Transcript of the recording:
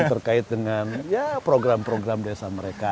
terkait dengan ya program program desa mereka